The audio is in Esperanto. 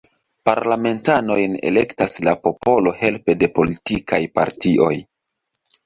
Parlamentanojn elektas la popolo helpe de politikaj partioj.